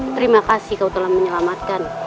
terima kasih kau telah menyelamatkan